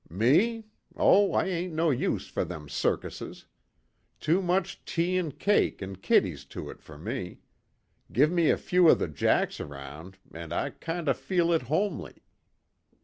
"Me? Oh, I ain't no use for them cirkises. Too much tea an' cake an' kiddies to it for me. Give me a few of the 'jacks' around an' I kind o' feel it homely."